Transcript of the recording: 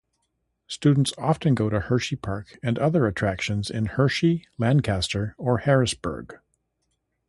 Students often go to Hersheypark and other attractions in Hershey, Lancaster or Harrisburg.